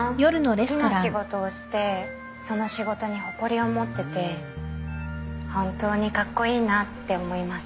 好きな仕事をしてその仕事に誇りを持ってて本当にカッコイイなって思います